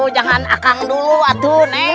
jangan akang dulu